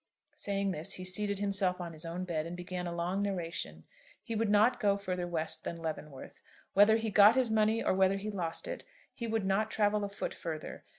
Saying this, he seated himself on his own bed, and began a long narration. He would not go further West than Leavenworth. Whether he got his money or whether he lost it, he would not travel a foot further.